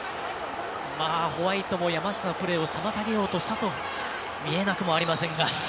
ホワイトも山下のプレーを妨げようとしたと見えなくもありませんが。